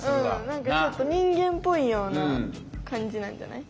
なんかちょっと人間っぽいようなかんじなんじゃない？